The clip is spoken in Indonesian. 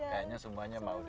kayaknya semuanya mau deh